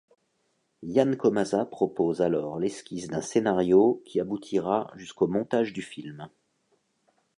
Jan Komasa propose alors l'esquisse d'un scénario qui aboutira jusqu'au montage du film.